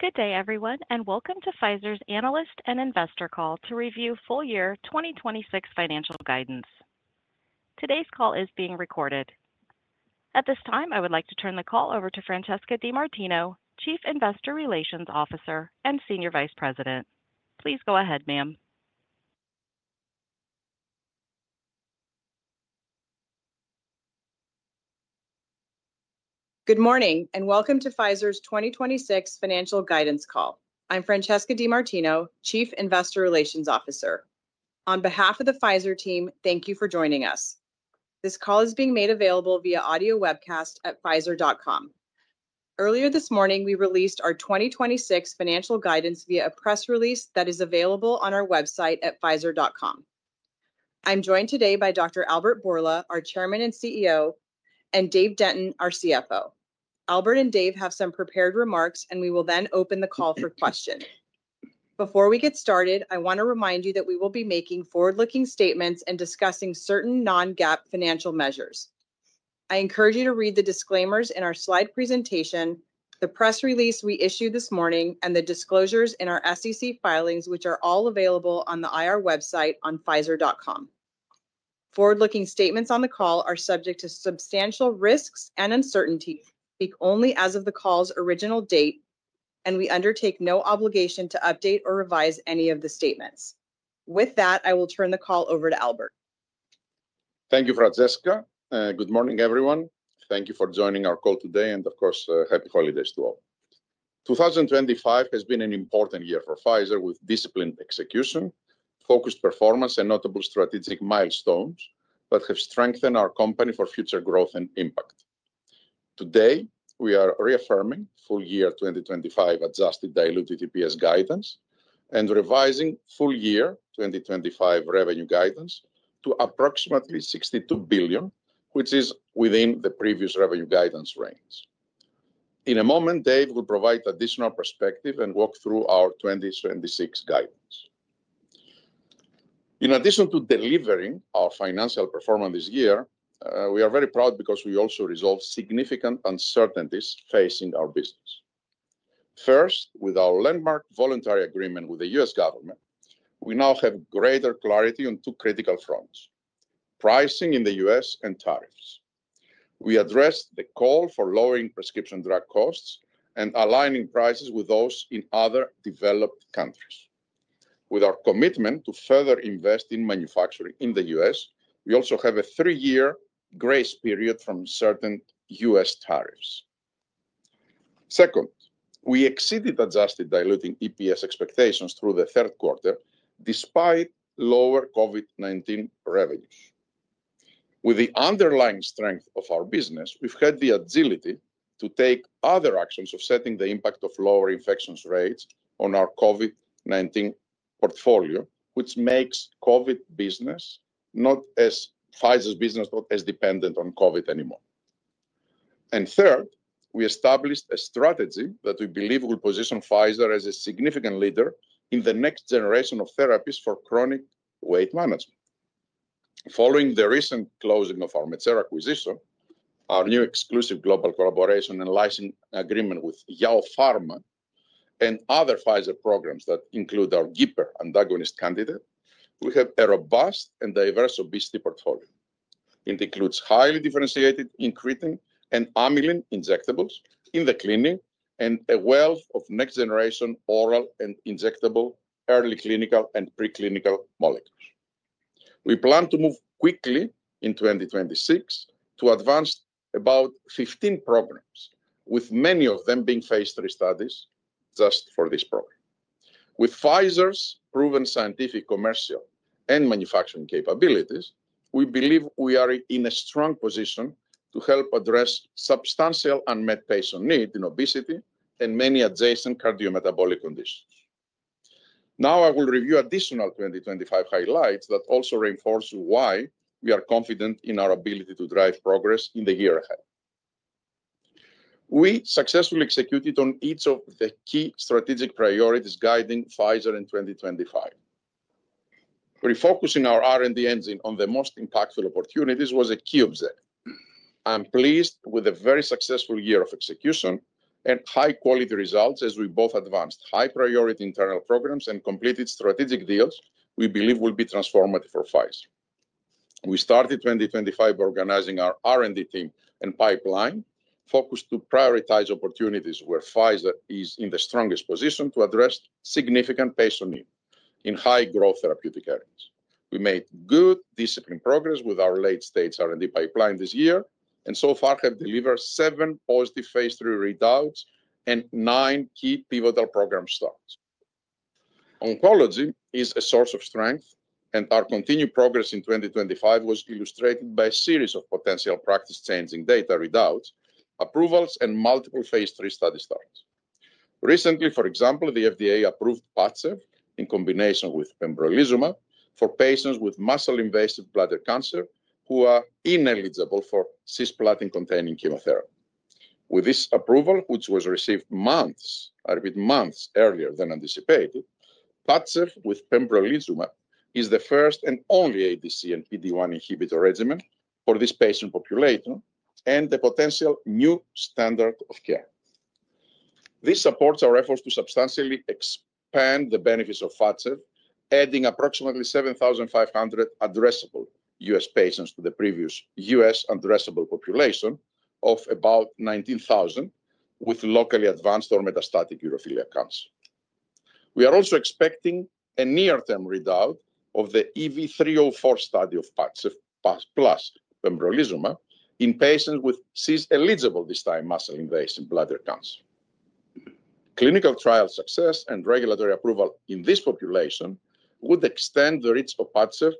Good day everyone and welcome to Pfizer's analyst and investor call to review full year 2026 financial guidance. Today's call is being recorded. At this time, I would like to turn the call over to Francesca DeMartino, Chief Investor Relations Officer and Senior Vice President. Please go ahead, ma'am. Good morning and welcome to Pfizer's 2026 financial guidance call. I'm Francesca DeMartino, Chief Investor Relations Officer. On behalf of the Pfizer team, thank you for joining us. This call is being made available via audio webcast at pfizer.com. Earlier this morning we released our 2026 financial guidance via a press release that is available on our website at pfizer.com. I'm joined today by Dr. Albert Bourla, our Chairman and CEO, and Dave Denton, our CFO. Albert and Dave have some prepared remarks and we will then open the call for questions. Before we get started, I want to remind you that we will be making forward-looking statements and discussing certain non-GAAP financial measures. I encourage you to read the disclaimers in our slide presentation, the press release we issued this morning, and the disclosures in our SEC filings, which are all available on the IR website on pfizer.com. Forward-looking statements on the call are subject to substantial risks and uncertainty, speak only as of the call's original date, and we undertake no obligation to update or revise any of the statements. With that, I will turn the call over to Albert. Thank you, Francesca. Good morning, everyone. Thank you for joining our call today and of course happy holidays to all. 2025 has been an important year for Pfizer with disciplined execution, focused performance and notable strategic milestones, but have strengthened our company for future growth and impact. Today we are reaffirming full year 2025 adjusted diluted EPS guidance and revising full year 2025 revenue guidance to approximately $62 billion which is within the previous revenue guidance range. In a moment, Dave will provide additional perspective and walk through our 2026 guidance. In addition to delivering our financial performance this year, we are very proud because we also resolved significant uncertainties facing our business. First, with our landmark voluntary agreement with the U.S. government, we now have greater clarity on two critical pricing in the U.S. and tariffs. We addressed the call for lowering prescription drug costs and aligning prices with those in other developed countries. With our commitment to further invest in manufacturing in the U.S., we also have a three-year grace period from certain U.S. tariffs. Second, we exceeded Adjusted Diluted EPS expectations through the third quarter despite lower COVID-19 revenues. With the underlying strength of our business, we've had the agility to take other actions offsetting the impact of lower infection rates on our COVID-19 portfolio, which makes COVID business not as Pfizer's business, not as dependent on COVID anymore. And third, we established a strategy that we believe will position Pfizer as a significant leader in the next generation of therapies for chronic weight management. Following the recent closing of our Metsera acquisition, our new exclusive global collaboration and license agreement with YAOPHARMA and other Pfizer programs that include our GIPR antagonist candidate, we have a robust and diverse obesity portfolio. It includes highly differentiated incretin and amylin injectables in the clinic and a wealth of next generation oral and injectable early clinical and preclinical molecules. We plan to move quickly in 2026 to advance about 15 programs with many of them being phase III studies just for this program. With Pfizer's proven scientific, commercial and manufacturing capabilities, we believe we are in a strong position to help address substantial unmet patient need in obesity and many adjacent cardiometabolic conditions. Now I will review additional 2025 highlights that also reinforce why we are confident in our ability to drive progress in the year ahead. We successfully executed on each of the key strategic priorities guiding Pfizer in 2025. Refocusing our R&D engine on the most impactful opportunities was a key objective. I'm pleased with a very successful year of execution and high quality results as we both advanced high priority internal programs and completed strategic deals we believe will be transformative for Pfizer. We started 2025 by organizing our R&D team and pipeline focused to prioritize opportunities where Pfizer is in the strongest position to address significant patient need in high growth therapeutic areas. We made good disciplined progress with our late stage R&D pipeline this year and so far have delivered seven positive phase three readouts and nine key pivotal program starts. Oncology is a source of strength and our continued progress in 2025 was illustrated by a series of potential practice-changing data readouts, approvals and multiple phase III study starts. Recently, for example, the FDA approved PADCEV in combination with pembrolizumab for patients with muscle-invasive bladder cancer who are ineligible for cisplatin-containing chemotherapy. With this approval which was received months, I repeat months earlier than anticipated, PADCEV with pembrolizumab is the first and only ADC and PD-1 inhibitor regimen for this patient population and the potential new standard of care. This supports our efforts to substantially expand the benefits of PADCEV, adding approximately 7,500 addressable U.S. patients to the previous U.S. addressable population of about 19,000 with locally advanced or metastatic urothelial cancer. We are also expecting a near-term readout of the EV-304 study of PADCEV plus pembrolizumab in patients with CIS-eligible, non-muscle invasive bladder cancer. Clinical trial success and regulatory approval in this population would extend the reach of PADCEV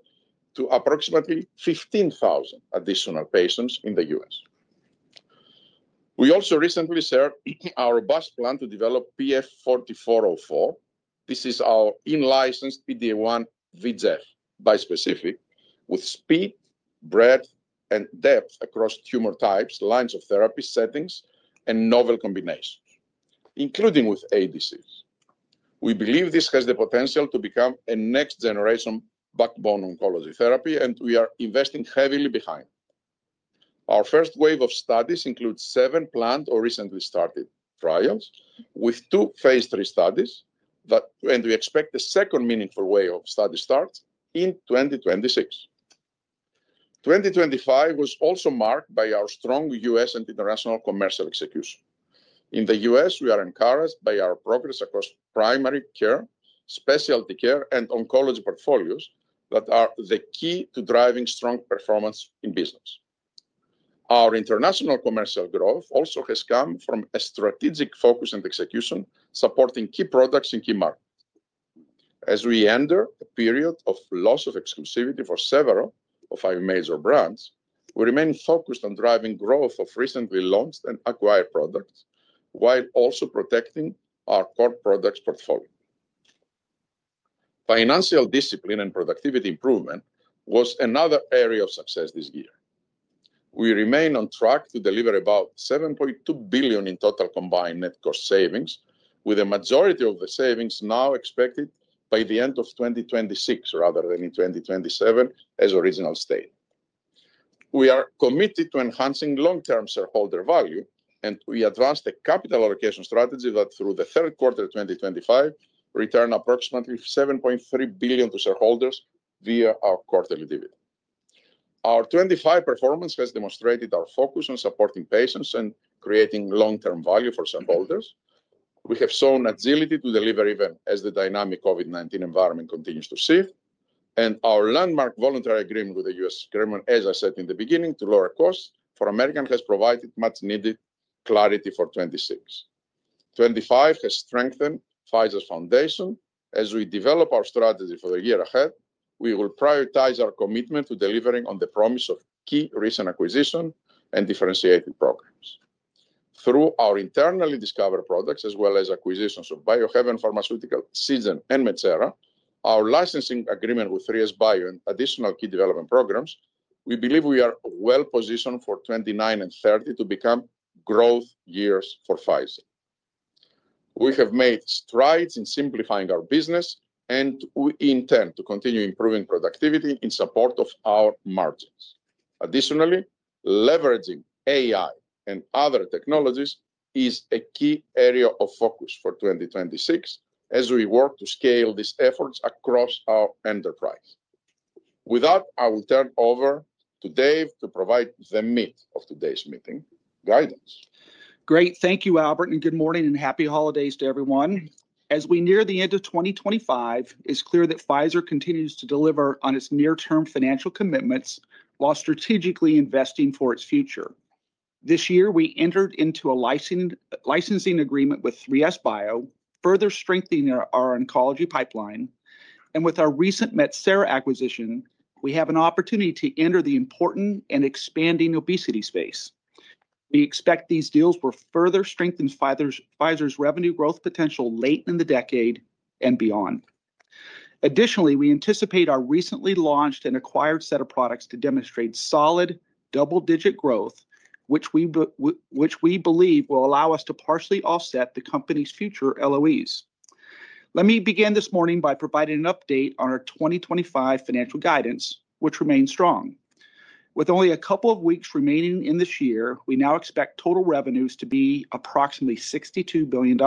to approximately 15,000 additional patients in the U.S. We also recently shared our robust plan to develop PF-4404. This is our in-licensed PD-1/VEGF bispecific with speed, breadth, and depth across tumor types, lines of therapy settings, and novel combinations including with ADCs. We believe this has the potential to become a next-generation backbone oncology therapy, and we are investing heavily behind it. Our first wave of studies includes seven planned or recently started trials with two phase III studies, and we expect the second meaningful wave of study starts in 2026. 2025 was also marked by our strong U.S. and international commercial execution in the U.S. We are encouraged by our progress across primary care, specialty care and oncology portfolios that are the key to driving strong performance in business. Our international commercial growth also has come from a strategic focus and execution supporting key products in key markets. As we enter a period of loss of exclusivity for several of our major brands, we remain focused on driving growth of recently launched and acquired products while also protecting our core products portfolio. Financial discipline and productivity improvement was another area of success this year. We remain on track to deliver about $7.2 billion in total combined net cost savings with a majority of the savings now expected by the end of 2026 rather than in 2027 as originally stated. We are committed to enhancing long-term shareholder value and we advance the capital allocation strategy that through the third quarter 2025 returns approximately $7.3 billion to shareholders via our quarterly dividend. Our 2025 performance has demonstrated our focus on supporting patients and creating long-term value for shareholders. We have shown agility to deliver even as the dynamic COVID-19 environment continues to shift and our landmark voluntary agreement with the U.S. Government as I said in the beginning to lower costs for Americans has provided much needed clarity for 2025 has strengthened Pfizer's foundation. As we develop our strategy for the year ahead, we will prioritize our commitment to delivering on the promise of key recent acquisitions and differentiated programs through our internally discovered products as well as acquisitions of Biohaven Pharmaceutical, Seagen and Metsera, our licensing agreement with 3SBio and additional key development programs. We believe we are well positioned for 2029 and 2030 to become growth years for Pfizer. We have made strides in simplifying our business and we intend to continue improving productivity in support of our margins. Additionally, leveraging AI and other technologies is a key area of focus for 2026 as we work to scale these efforts across our enterprise. With that, I will turn over to Dave to provide the meat of today's meeting guidance. Great. Thank you Albert and good morning and happy holidays to everyone. As we near the end of 2025, it's clear that Pfizer continues to deliver on its near-term financial commitments while strategically investing for its future. This year we entered into a licensing agreement with 3SBio, further strengthening our oncology pipeline and with our recent Metsera acquisition, we have an opportunity to enter the important and expanding obesity space. We expect these deals will further strengthen Pfizer's revenue growth potential late in the decade and beyond. Additionally, we anticipate our recently launched and acquired set of products to demonstrate solid double digit growth which we believe will allow us to partially offset the company's future LOEs. Let me begin this morning by providing an update on our 2025 financial guidance which remains strong with only a couple of weeks remaining in this year. We now expect total revenues to be approximately $62 billion.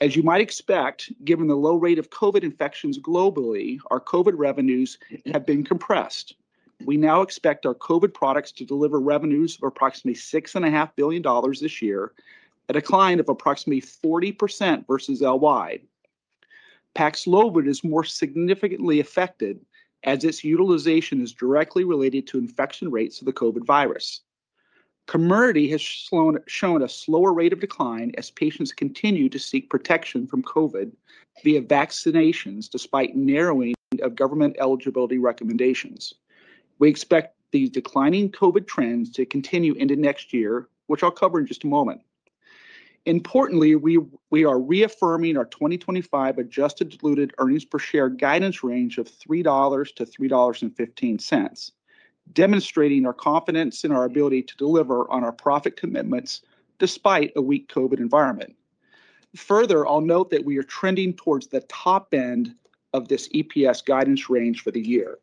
As you might expect given the low rate of COVID infections globally, our COVID revenues have been compressed. We now expect our COVID products to deliver revenues of approximately $6.5 billion this year, a decline of approximately 40% versus L.Y. Paxlovid is more significantly affected as its utilization is directly related to infection rates of the COVID virus. Comirnaty has shown a slower rate of decline as patients continue to seek protection from COVID via vaccinations despite narrowing of government eligibility recommendations. We expect these declining COVID trends to continue into next year, which I'll cover in just a moment. Importantly, we are reaffirming our 2025 adjusted diluted earnings per share guidance range of $3.00-$3.15, demonstrating our confidence in our ability to deliver on our profit commitments despite a weak COVID environment. Further, I'll note that we are trending towards the top end of this EPS guidance range for the year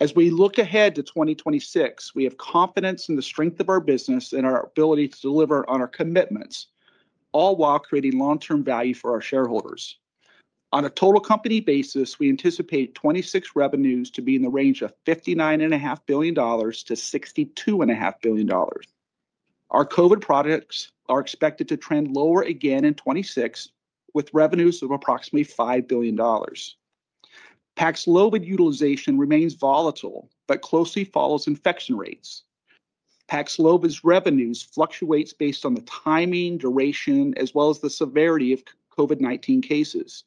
as we look ahead to 2026. We have confidence in the strength of our business and our ability to deliver on our commitments, all while creating long-term value for our shareholders. On a total company basis, we anticipate 2026 revenues to be in the range of $59.5 billion-$62.5 billion. Our COVID products are expected to trend lower again in 2026 with revenues of approximately $5 billion. Paxlovid utilization remains volatile but closely follows infection rates. Paxlovid's revenues fluctuates based on the timing, duration as well as the severity of COVID-19 cases.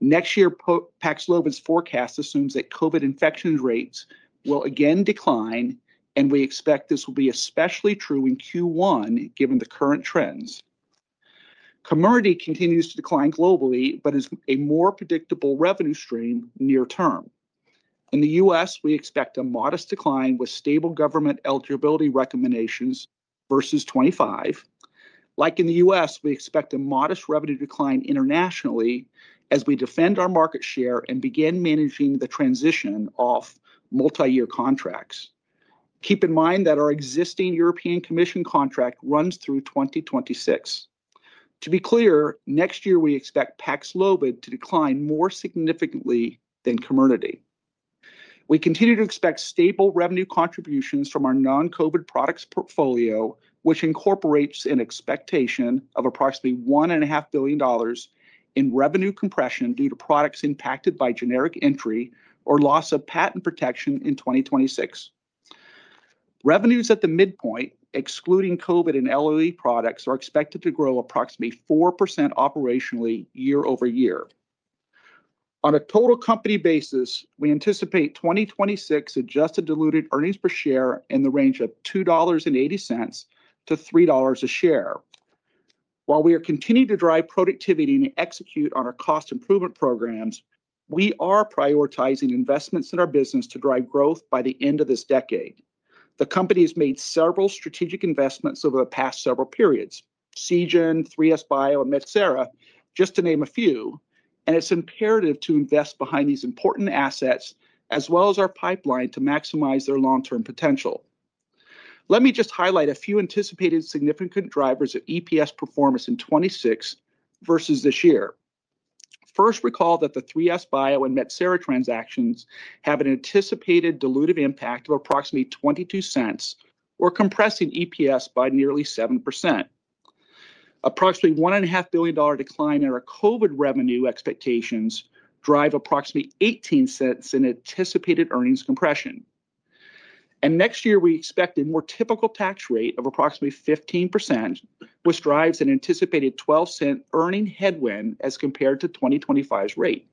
Next year, Paxlovid's forecast assumes that COVID infection rates will again decline and we expect this will be especially true in Q1 given the current trends. Comirnaty continues to decline globally but is a more predictable revenue stream near term. In the U.S. we expect a modest decline with stable government eligibility recommendations versus 25. Like in the U.S. we expect a modest revenue decline internationally as we defend our market share and begin managing the transition off multi-year contracts. Keep in mind that our existing European Commission contract runs through 2026. To be clear, next year we expect Paxlovid to decline more significantly than Comirnaty. We continue to expect stable revenue contributions from our non-COVID products portfolio which incorporates an expectation of approximately $1.5 billion in revenue compression due to products impacted by generic entry or loss of patent protection. In 2026, revenues at the midpoint excluding COVID and LOE products are expected to grow approximately 4% operationally year-over-year. On a total company basis, we anticipate 2026 adjusted diluted earnings per share in the range of $2.80-$3 a share. While we are continuing to drive productivity and execute on our cost improvement programs, we are prioritizing investments in our business to drive growth by the end of this decade. The company has made several strategic investments over the past several periods: Seagen, 3SBio and Metsera, just to name a few, and it's imperative to invest behind these important assets as well as our pipeline to maximize their long-term potential. Let me just highlight a few anticipated significant drivers of EPS performance in 2026 versus this year. First, recall that the 3SBio and Metsera transactions have an anticipated dilutive impact of approximately $0.22 or compressing EPS by nearly 7%. Approximately $1.5 billion decline in our COVID revenue expectations drives approximately $0.18 in anticipated earnings compression, and next year we expect a more typical tax rate of approximately 15%, which drives an anticipated $0.12 earnings headwind as compared to 2025's rate.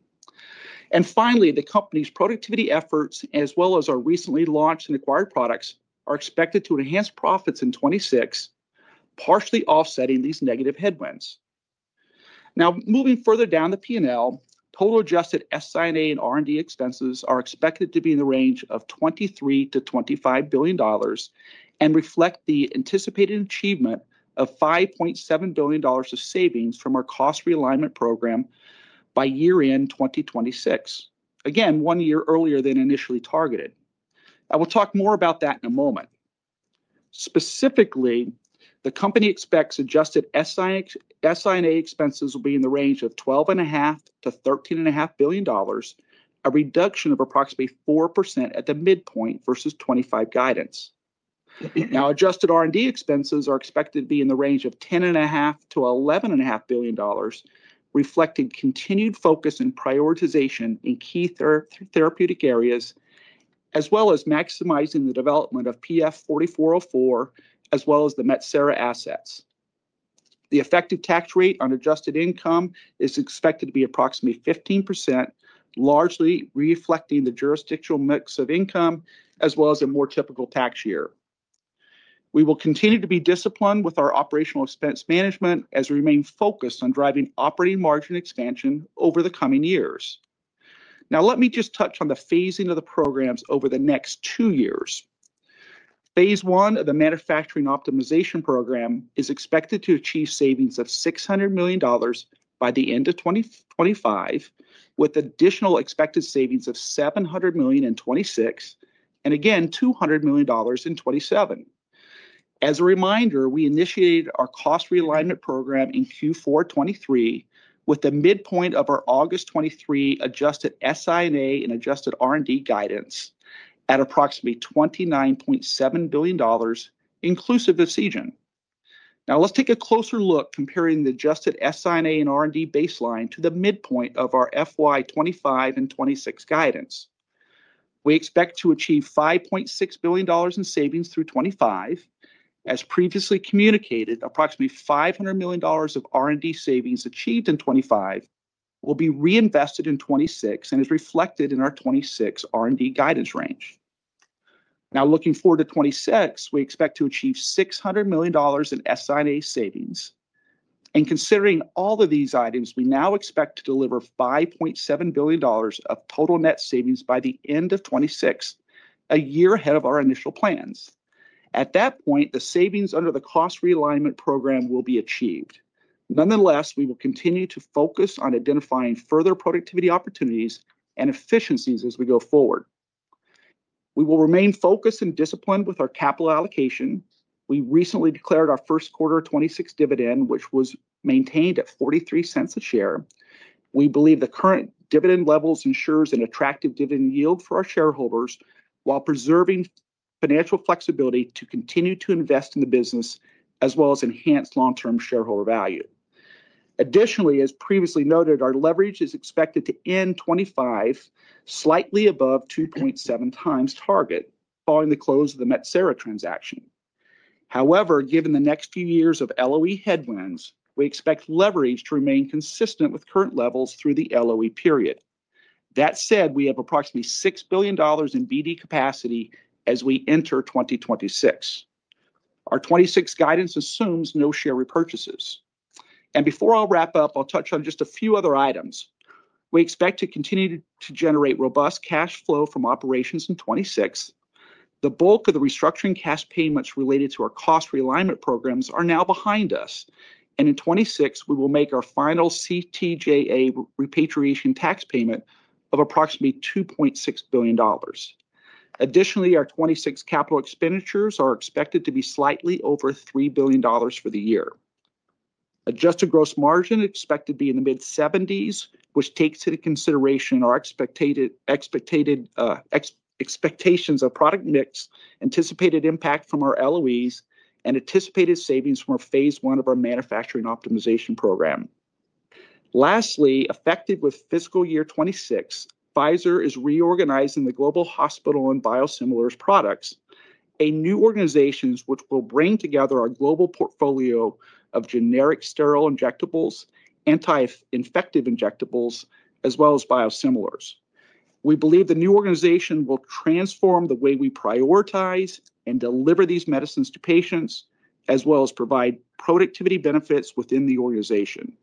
Finally, the company's productivity efforts as well as our recently launched and acquired products are expected to enhance profits in 2026, partially offsetting these negative headwinds. Now moving further down the P&L, total adjusted SI&A and R&D expenses are expected to be in the range of $23 billion-$25 billion and reflect the anticipated achievement of $5.7 billion of savings from our Cost Realignment Program by year-end 2026, again one year earlier than initially targeted. I will talk more about that in a moment. Specifically, the Company expects adjusted SI&A expenses will be in the range of $12.5 billion-$13.5 billion, a reduction of approximately 4% at the midpoint versus 2025 guidance. Now, adjusted R&D expenses are expected to be in the range of $10.5 billion-$11.5 billion, reflecting continued focus and prioritization in key therapeutic areas and as well as maximizing the development of PF'4404 as well as the Metsera assets. The effective tax rate on adjusted income is expected to be approximately 15%, largely reflecting the jurisdictional mix of income as well as a more typical tax year. We will continue to be disciplined with our operational expense management as we remain focused on driving operating margin expansion over the coming years. Now, let me just touch on the phasing of the programs over the next two years. Phase I of the Manufacturing Optimization Program is expected to achieve savings of $600 million by the end of 2025, with additional expected savings of $700 million in 2026 and again $200 million in 2027. As a reminder, we initiated our cost realignment program in Q4 2023 with the midpoint of our August 23rd, 2023 adjusted SI&A and adjusted R&D guidance at approximately $29.7 billion inclusive of Seagen. Now let's take a closer look comparing the adjusted SI&A and R&D baseline to the midpoint of our FY 2025 and 2026 guidance. We expect to achieve $5.6 billion in savings through 2025. As previously communicated, approximately $500 million of R&D savings achieved in 2025 will be reinvested in 2026 and is reflected in our 2026 R&D guidance range. Now, looking forward to 2026, we expect to achieve $600 million in SI&A savings, and considering all of these items, we now expect to deliver $5.7 billion of total net savings by the end of 2026, a year ahead of our initial plans. At that point, the savings under the Cost Realignment Program will be achieved. Nonetheless, we will continue to focus on identifying further productivity opportunities and efficiencies as we go forward. We will remain focused and disciplined with our capital allocation. We recently declared our first quarter 2026 dividend which was maintained at $0.43 a share. We believe the current dividend levels ensures an attractive dividend yield for our shareholders while preserving financial flexibility to continue to invest in the business and as well as enhanced long-term shareholder value. Additionally, as previously noted, our leverage is expected to end 2025 slightly above 2.7 times target following the close of the Metsera transaction. However, given the next few years of LOE headwinds, we expect leverage to remain consistent with current levels through the LOE period. That said, we have approximately $6 billion in BD capacity as we enter 2026. Our 2026 guidance assumes no share repurchases, and before I'll wrap up, I'll touch on just a few other items. We expect to continue to generate robust cash flow from operations in 2026. The bulk of the restructuring cash payments related to our cost realignment programs are now behind us, and in 2026 we will make our final TCJA repatriation tax payment of approximately $2.6 billion. Additionally, our 2026 capital expenditures are expected to be slightly over $3 billion for the year. Adjusted gross margin expected to be in the mid-70s, which takes into consideration our expectations of product mix, anticipated impact from our LOEs, and anticipated savings from our Phase 1 of our Manufacturing Optimization Program. Lastly, effective with fiscal year 2026, Pfizer is reorganizing the global hospital and biosimilars products into a new organization which will bring together our global portfolio of generic sterile injectables, anti-infective injectables as well as biosimilars. We believe the new organization will transform the way we prioritize and deliver these medicines to patients as well as provide productivity benefits within the organization.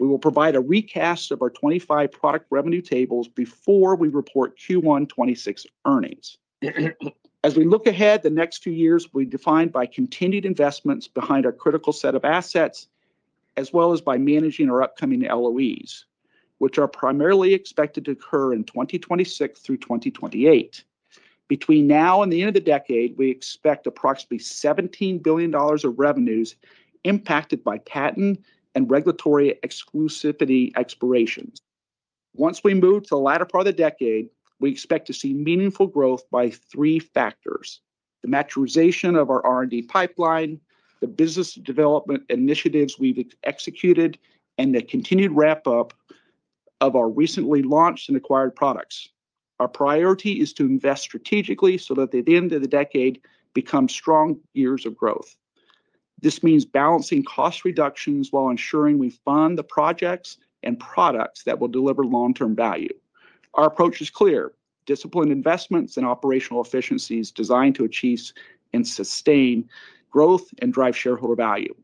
We will provide a recast of our 2025 product revenue tables before we report Q1 2026 earnings as we look ahead the next few years. We are defined by continued investments behind our critical set of assets as well as by managing our upcoming LOEs, which are primarily expected to occur in 2026 through 2028. Between now and the end of the decade, we expect approximately $17 billion of revenues impacted by patent and regulatory exclusivity expirations. Once we move to the latter part of the decade, we expect to see meaningful growth by three factors: the maturation of our R&D pipeline, the business development initiatives we've executed, and the continued ramp up of our recently launched and acquired products. Our priority is to invest strategically so that the end of the decade becomes strong years of growth. This means balancing cost reductions while ensuring we fund the projects and products that will deliver long-term value. Our approach is clear, disciplined investments and operational efficiencies designed to achieve and sustain growth and drive shareholder value,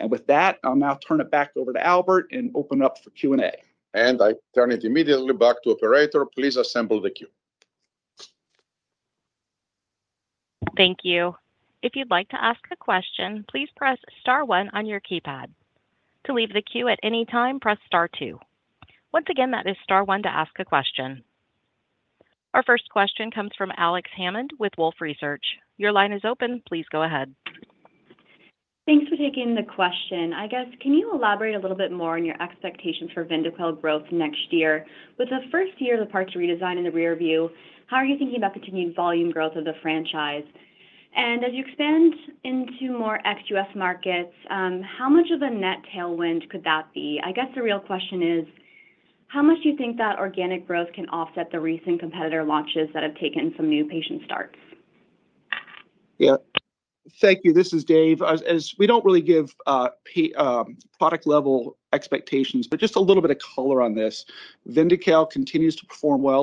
and with that, I'll now turn it back over to Albert and open up for Q and A. I turn it immediately back to operator. Please assemble the queue. Thank you. If you'd like to ask a question, please press star one on your keypad. To leave the queue at any time, press star two. Once again, that is star one to ask a question. Our first question comes from Alex Hammond with Wolfe Research. Your line is open. Please go ahead. Thanks for taking the question. I guess can you elaborate a little bit more on your expectations for Vyndaqel growth next year? With the first year of the PBMs redesign in the rearview, how are you thinking about continued volume growth of the franchise? And as you expand into more ex-U.S. markets, how much of a net tailwind could that be? I guess the real question is how much do you think that organic growth can offset the recent competitor launches that have taken some new patient starts? Yeah, thank you. This is Dave. As we don't really give product level expectations, but just a little bit of color on this. Vyndaqel continues to perform well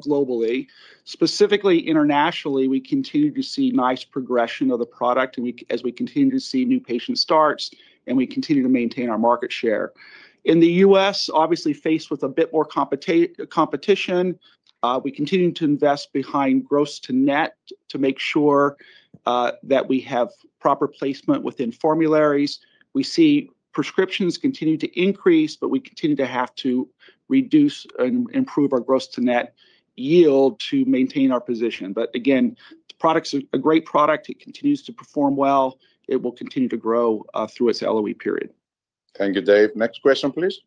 globally, specifically internationally. We continue to see nice progression of the product as we continue to see new patient starts and we continue to maintain our market share in the U.S. Obviously, faced with a bit more competition, we continue to invest behind gross to net to make sure that we have proper placement within formularies. We see prescriptions continue to increase, but we continue to have to reduce and improve our gross to net yield to maintain our position. But again, the product's a great product. It continues to perform well. It will continue to grow through its LOE period. Thank you, Dave. Next question, please.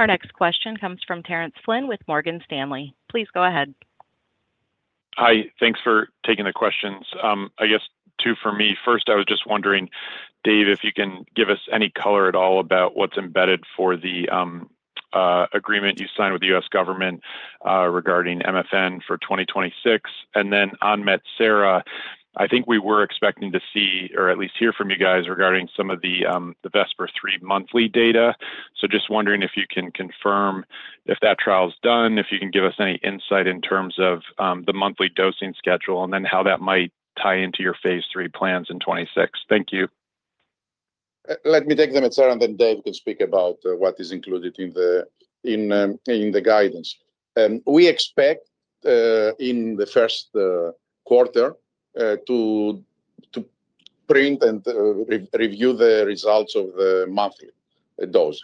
Our next question comes from Terence Flynn with Morgan Stanley. Please go ahead. Hi. Thanks for taking the questions. I guess two for me. First, I was just wondering, Dave, if you can give us any color at all about what's embedded for the agreement you signed with the U.S. government regarding MFN for 2026 and then on Metsera, I think we were expecting to see or at least hear from you guys regarding some of the Vepdegestrant Phase 3 monthly data. So just wondering if you can confirm if that trial's done, if you can give us any insight in terms of the monthly dosing schedule and then how that might tie into your phase III plans in 26. Thank you. Let me take the material and then Dave can speak about what is included in the guidance. We expect in the first quarter to present and review the results of the monthly dose.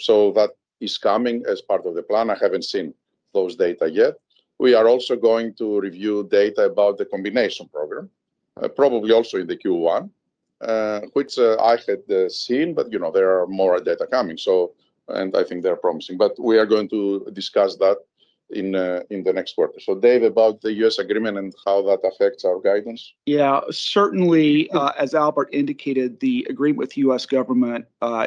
So that is coming as part of the plan. I haven't seen those data yet. We are also going to review data about the combination program, probably also in the Q1, which I had seen. But you know, there are more data coming, so. And I think they're promising, but we are going to discuss that in the next quarter. So, Dave, about the U.S. agreement and how that affects our guidance. Yeah, certainly, as Albert indicated, the agreement with the U.S. government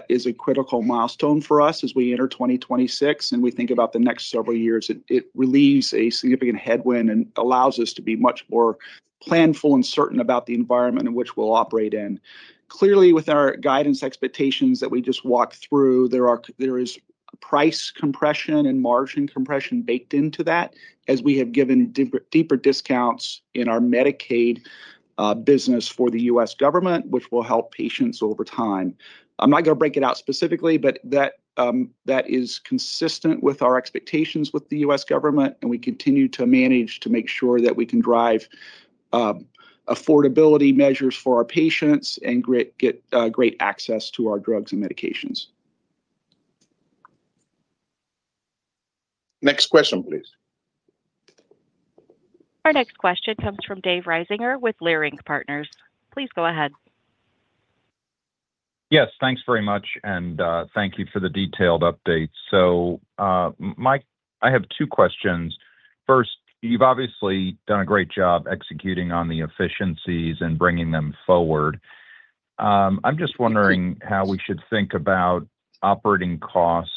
is a critical milestone for us as we enter 2026 and we think about the next several years. It relieves a significant headwind and allows us to be much more planful and certain about the environment in which we'll operate in. Clearly, with our guidance expectations that we just walked through, there is price compression and margin compression baked into that as we have given deeper discounts in our Medicaid business for the U.S. government, which will help patients over time. I'm not going to break it out specifically, but that is consistent with our expectations with the U.S. government, and we continue to manage to make sure that we can drive affordability measures for our patients and get great access to our drugs and medications. Next question, please. Our next question comes from David Risinger with Leerink Partners. Please go ahead. Yes, thanks very much and thank you for the detailed updates. So, Mike, I have two questions. First, you've obviously done a great job executing on the efficiencies and bringing them forward. I'm just wondering how we should think about operating costs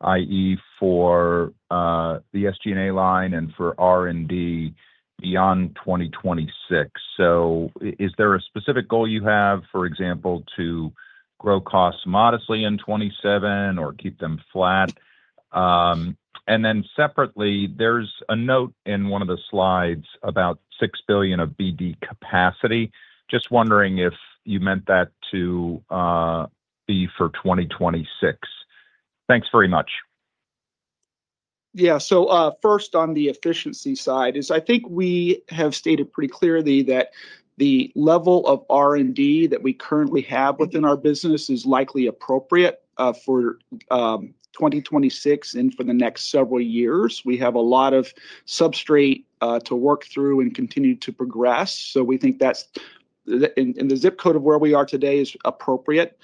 i.e. for the SG&A line and for R&D beyond 2026. So is there a specific goal you have, for example, to grow costs modestly in 2027 or keep them flat? And then separately, there's a note in one of the slides about $6 billion of BD capacity. Just wondering if you meant that to be for 2026. Thanks very much. Yeah, so first, on the efficiency side, I think we have stated pretty clearly that the level of R and D that we currently have within our business is likely appropriate for 2026 and for the next several years. We have a lot of substrate to work through and continue to progress. So we think that's in the zip code of where we are today is appropriate.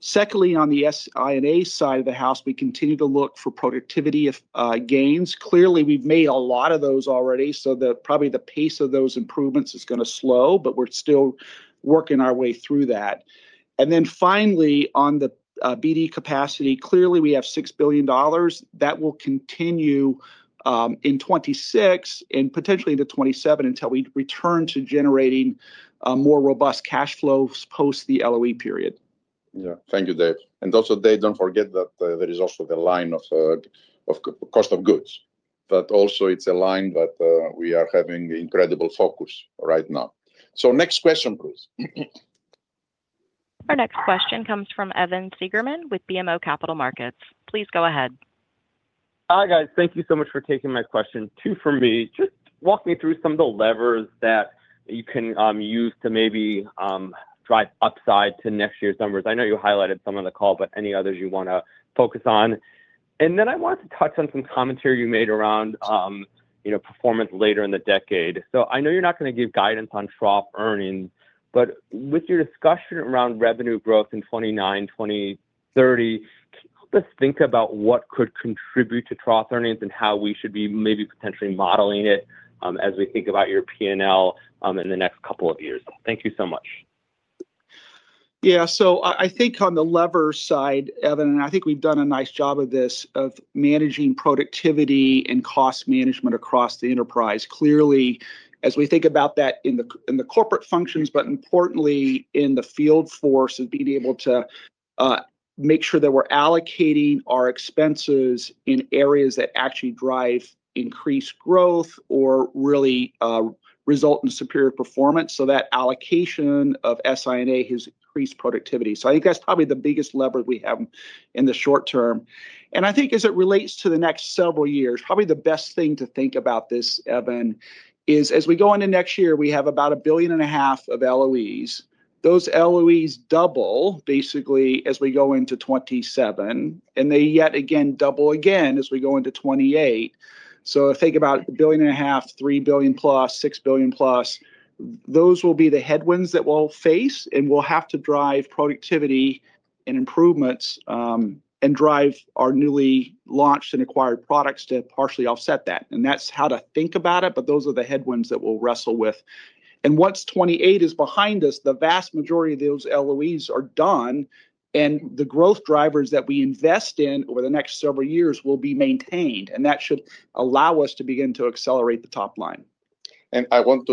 Secondly, on the SI&A side of the house, we continue to look for productivity gains. Clearly we've made a lot of those already so that probably the pace of those improvements is going to slow. But we're still working our way through that. And then finally on the BD capacity, clearly we have $6 billion that will continue in 2026 and potentially into 2027 until we return to generating more robust cash flows post the LOE period. Yeah, thank you, Dave. And also, Dave, don't forget that there is also the line of cost of goods, but also it's a line that we are having incredible focus right now. So next question. Please. Our next question comes from Evan Seigerman with BMO Capital Markets. Please go ahead. Hi guys, thank you so much for taking my question too for me. Just walk me through some of the levers that you can use to maybe drive upside to next year's numbers. I know you highlighted some on the call, but any others you want to focus on? And then I wanted to touch on some commentary you made around, you know, performance later in the decade. So I know you're not going to give guidance on trough earnings, but with your discussion around revenue growth in 2029, 2030, let's think about what could contribute to trough earnings and how we should be maybe potentially modeling it as we think about your P and L in the next couple of years. Thank you so much. Yeah, so I think on the lever side, Evan, and I think we've done a nice job of this, of managing productivity and cost management across the enterprise. Clearly as we think about that in the corporate functions, but importantly in the field force is being able to make sure that we're allocating our expenses in areas that actually drive increased growth or really result in superior performance. So that allocation of SI&A has increased productivity. So I think that's probably the biggest lever we have in the short-term. I think as it relates to the next several years, probably the best thing to think about this, Evan, is as we go into next year we have about $1.5 billion of LOEs. Those LOEs double basically as we go into 2027 and they yet again double again as we go into 2028. So think about $1.5 billion, $3 billion plus, $6 billion plus. Those will be the headwinds that we'll face and we'll have to drive productivity and improvements and drive our newly launched and acquired products to partially offset that. And that's how to think about it. But those are the headwinds that we'll wrestle with and once 2028 is behind us, the vast majority of those LOEs are done and the growth drivers that we invest in over the next several years will be maintained and that should allow us to begin to accelerate the top line. I want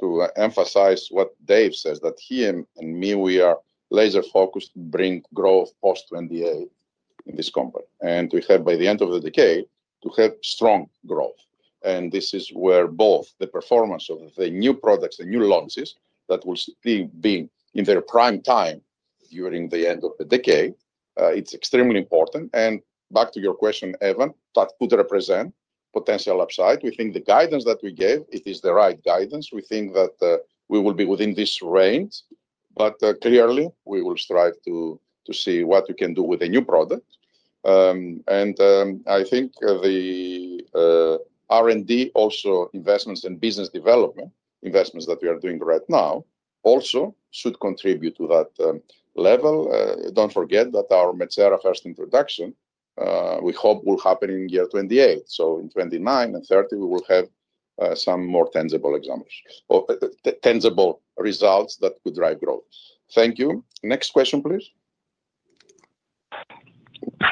to emphasize what Dave says, that him and me, we are laser focused, bring growth post 2028 in this company and we have by the end of the decade to help sustain strong growth. And this is where both the performance of the new products, the new launches that will still be in their prime time during the end of the decade. It's extremely important. And back to your question, Evan. That could represent potential upside. We think the guidance that we gave it is the right guidance. We think that we will be within this range, but clearly we will strive to see what we can do with a new product. And I think the R&D also investments in business development, investments that we are doing right now also should contribute to that level. Don't forget that our Metsera first introduction we hope will happen in 2028. So in 2029 and 2030 we will have some more tangible examples, tangible results that could drive growth. Thank you. Next question please.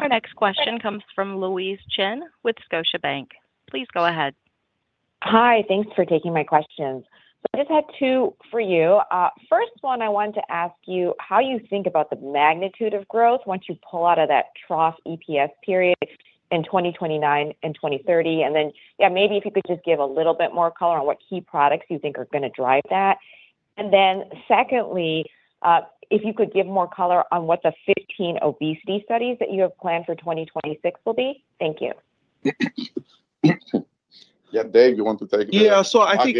Our next question comes from Louise Chen with Scotiabank. Please go ahead. Hi. Thanks for taking my questions. I just had two for you. First one I wanted to ask you how you think about the magnitude of growth once you pull out of that trough EPS period in 2029 and 2030. And then, yeah, maybe if you could just give a little bit more color on what key products you think are going to drive that. And then secondly, if you could give more color on what the 15 obesity studies that you have planned for 2026 will be. Thank you. Yeah, Dave, you want to take? Yeah, so I think,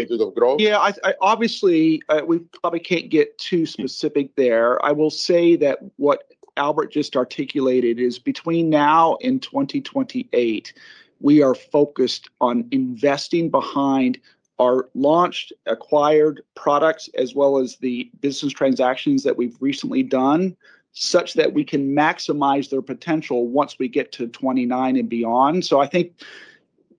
yeah, obviously we probably can't get too specific there. I will say that what Albert just articulated is between now and 2028. We are focused on investing behind our launched acquired products as well as the business transactions that we've recently done such that we can maximize their potential once we get to 2029 and beyond. So I think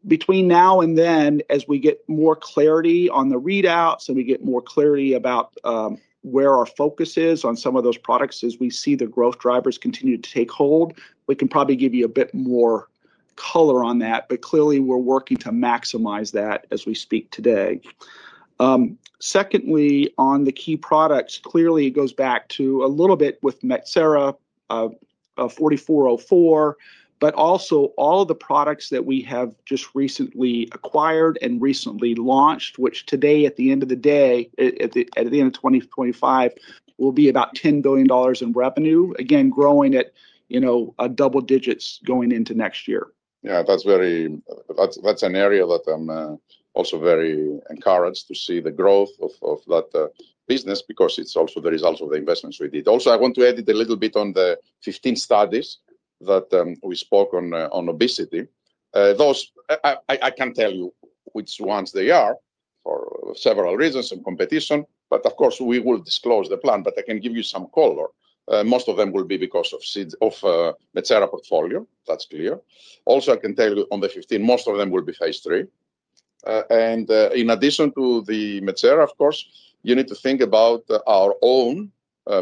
between now and then, as we get more clarity on the readouts and we get more clarity about where our focus is on some of those products, as we see the growth drivers continue to take hold, we can probably give you a bit more color on that, but clearly we're working to maximize that as we speak today. Secondly, on the key products, clearly it goes back to a little bit with Metsera 4404, but also all of the products that we have just recently acquired and recently launched, which today at the end of the day, at the end of 2025 will be about $10 billion in revenue, again growing at double digits going into next year. Yeah, that's an area that I'm also very encouraged to see the growth of that business because it's also the results of the investments we did. Also, I want to add a little bit on the 15 studies that we spoke on obesity. I can tell you which ones they are for several reasons and competition. But of course we will disclose the plan. But I can give you some color. Most of them will be from the Metsera portfolio. That's clear. Also, I can tell you on the 15, most of them will be phase III. And in addition to the Metsera, of course, you need to think about our own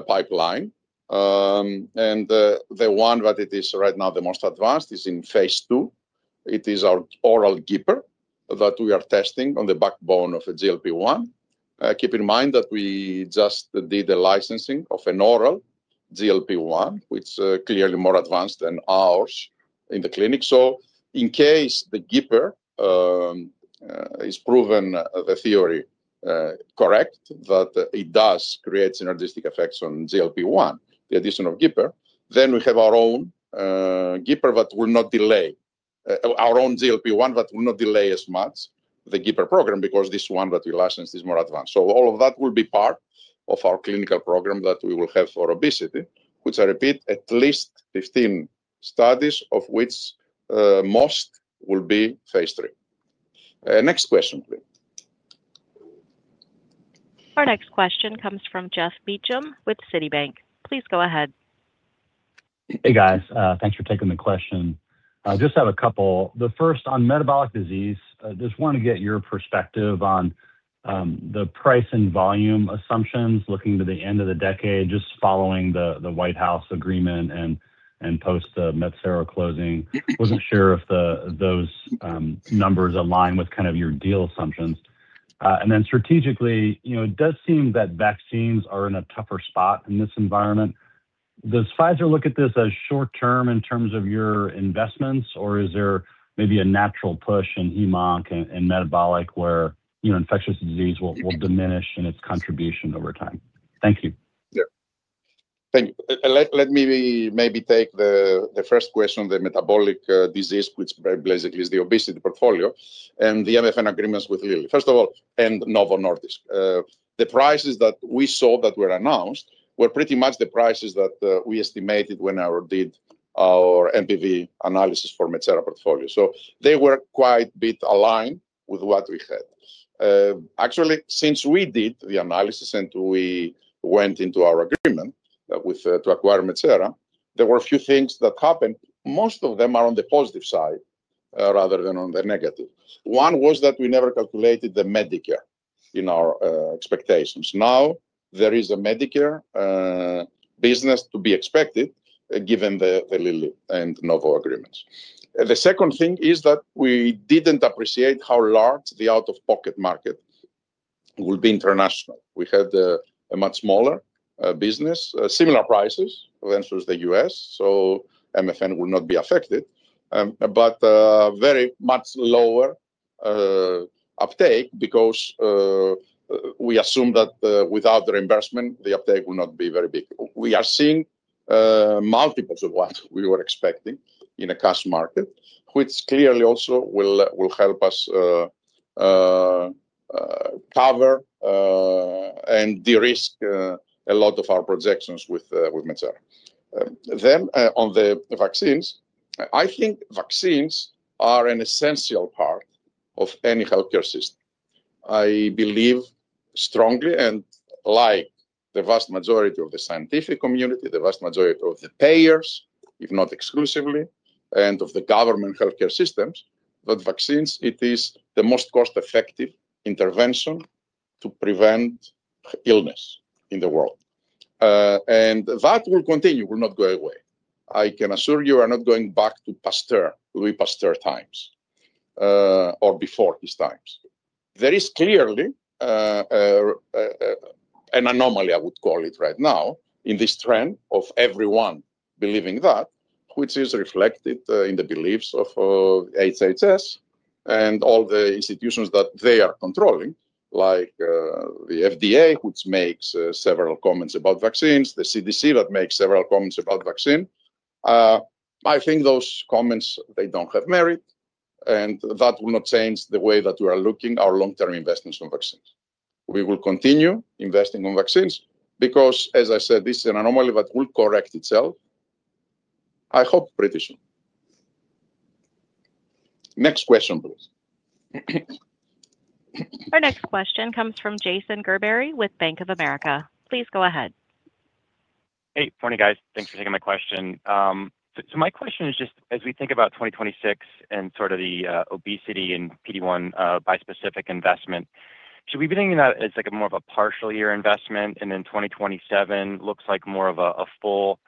pipeline and the one that it is right now, the most advanced is in Phase 2. It is our oral GIPR that we are testing on the backbone of a GLP1. Keep in mind that we just did the licensing of an oral GLP-1, which is clearly more advanced than ours in the clinic. So in case the GIPR is proven, the theory correct, that it does create synergistic effects on GLP-1, the addition of GIPR, then we have our own GIPR that will not delay our own GLP-1 that will not delay as much the GIPR program because this one that we licensed is more advanced. So all of that will be part of our clinical program that we will have for obesity, which I repeat, at least 15 studies of which most will be phase III. Next question. Our next question comes from Geoff Meacham with Citibank. Please go ahead. Hey guys, thanks for taking the question. Just have a couple. The first on metabolic disease, just wanted to get your perspective on the price and volume assumptions. Looking to the end of the decade, just following the White House agreement and post the Metsera closing, wasn't sure if those numbers align with kind of your deal assumptions. And then strategically it does seem that vaccines are in a tougher spot. This environment. Does Pfizer look at this as short term in terms of your investments, or is there maybe a natural push in hem-onc and metabolic where, you know, infectious disease will diminish in its contribution over time? Thank you. Yeah, thank you. Let me maybe take the first question. The metabolic disease, which basically is the obesity portfolio and the MFN agreements with Lilly. First of all, and Novo Nordisk, the prices that we saw that were announced were pretty much the prices that we estimated when I did our NPV analysis for Metsera portfolio. So they were quite a bit aligned with what we had. Actually, since we did the analysis and we went into our agreement to acquire Metsera, there were a few things that happened. Most of them are on the positive side rather than on the negative. One was that we never calculated the Medicare in our expectations. Now there is a Medicare business to be expected given the Lilly and Novo agreements. The second thing is that we didn't appreciate how large the out-of-pocket market will be internationally. We had a much smaller business, similar prices. Vyndaqel was the U.S., so MFN will not be affected but very much lower uptake because we assume that without the reimbursement the uptake will not be very big. We are seeing multiples of what we were expecting in a cash market which clearly also will help us cover and de-risk a lot of our projections with Medicare. Then on the vaccines. I think vaccines are an essential part of any healthcare system. I believe strongly and like the vast majority of the scientific community, the vast majority of the payers, if not exclusively and of the government healthcare systems that vaccines it is the most cost-effective intervention to prevent illness in the world and that will continue will not go away. I can assure you we are not going back to Pasteur times or before his times. There is clearly an anomaly, I would call it right now in this trend of everyone believing that which is reflected in the beliefs of HHS and all the institutions that they are controlling. Like the FDA which makes several comments about vaccines, the CDC that makes several comments about vaccine. I think those comments they don't have merit and that will not change the way that we are looking our long-term investments on vaccines. We will continue investing on vaccines because as I said, this is an anomaly that will correct itself I hope pretty soon. Next question please. Our next question comes from Jason Gerberry with Bank of America. Please go ahead. Good morning, guys. Thanks for taking my question. So my question is just as we think about 2026 and sort of the obesity and PD-1 bispecific investment, should we be thinking that it's like a more of a partial year investment and then 2027 looks like more of a full